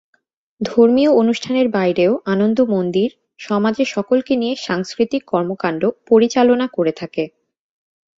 ধর্মীয় অনুষ্ঠানের বাইরেও আনন্দ মন্দির সমাজের সকলকে নিয়ে সাংস্কৃতিক কর্মকাণ্ড পরিচালনা করে থাকে।